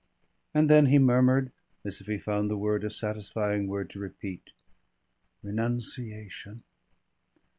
And then he murmured as if he found the word a satisfying word to repeat, "Renunciation."